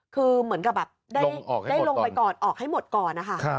คือเหมือนกับแบบได้ลงไปก่อนออกให้หมดก่อนนะคะ